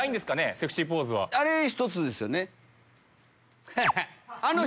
あれ１つですよね？